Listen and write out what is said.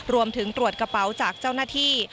รวมถึงตรวจกระเป๋าจากเจ้าหน้าที่